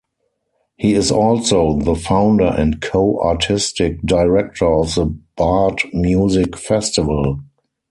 He is also the founder and co-Artistic Director of the Bard Music Festival.